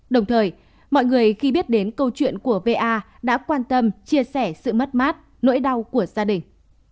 đồng thời mọi người khi biết đến câu chuyện của va đã quan tâm chia sẻ sự mất mát nỗi đau của gia đình